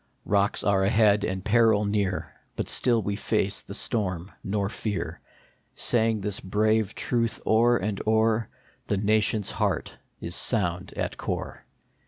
Rocks are ahead and peril near ; But still we face the storm, nor fear, Saying this brave truth o er and o er :" The nation s heart is sound at core."